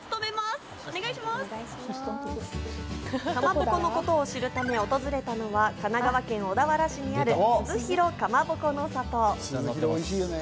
かまぼこのことを知るため、訪れたのは神奈川県小田原市にある鈴廣かまぼこの里。